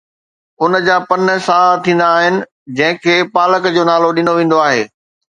ان جا پن سائا ٿيندا آهن، جنهن کي پالڪ جو نالو ڏنو ويندو آهي.